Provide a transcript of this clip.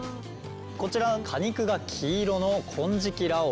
こちら果肉が黄色の金色羅皇。